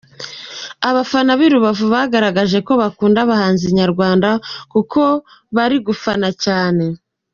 Abafana b'i Rubavu bagaragaje ko bakunda abahanzi nyarwanda kuko bari gufana cyane.